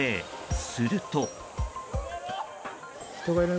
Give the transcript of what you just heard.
すると。